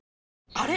あれ？